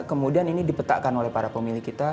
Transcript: kemudian ini dipetakan oleh para pemilih kita